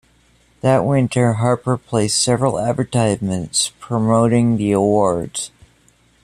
That winter Harper placed several advertisements promoting the awards.